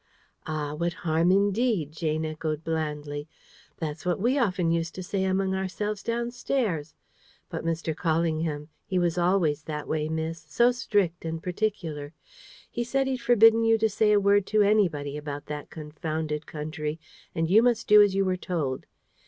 "Ah! what harm indeed?" Jane echoed blandly. "That's what we often used to say among ourselves downstairs. But Mr. Callingham, he was always that way, miss so strict and particular. He said he'd forbidden you to say a word to anybody about that confounded country; and you must do as you were told.